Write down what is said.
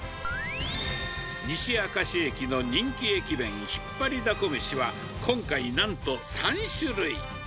西明石駅の人気駅弁、ひっぱりだこ飯は、今回、なんと３種類。